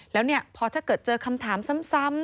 แล้วพอถ้าเกิดเจอคำถามซ้ำ